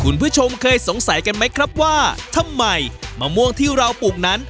คุณผู้ชมเคยสงสัยกันไหมครับว่าทำไมมะม่วงที่เราปลูกนั้น